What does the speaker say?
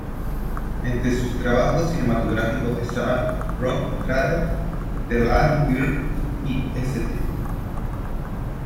Entre sus trabajos cinematográficos están "Rogue Trader", "The Land Girls", "St.